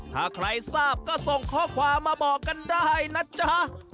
ถ้าใครทราบก็ส่งข้อความมาบอกกันได้นะจ๊ะ